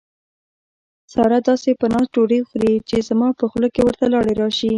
ساره داسې په ناز ډوډۍ خوري، چې زما په خوله کې ورته لاړې راشي.